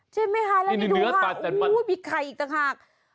ใช่ไหมคะแล้วนี่ดูมีไข่อีกต่างหาก